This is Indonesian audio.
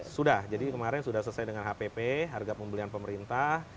sudah jadi kemarin sudah selesai dengan hpp harga pembelian pemerintah